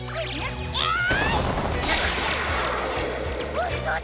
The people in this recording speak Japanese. ほんとうだ！